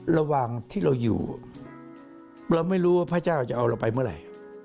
ระหว่างที่เราอยู่เราไม่รู้ว่าพระเจ้าจะเอาเราไปเมื่อไหร่